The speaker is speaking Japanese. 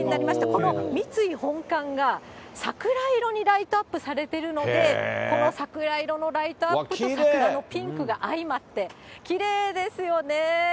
この三井本館が、桜色にライトアップされてるので、この桜色のライトアップと桜のピンクがあいまって、きれいですよね。